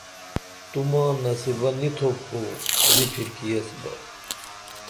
تو ماں نصیبہ نی تھوپ خو بپھرکی ایس بہ